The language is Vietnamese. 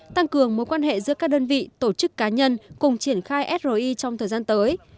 tăng cường mối quan hệ giữa các đơn vị tổ chức cá nhân cùng triển khai sri trong thời gian tới